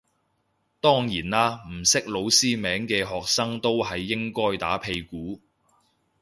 當然啦唔識老師名嘅學生都係應該打屁股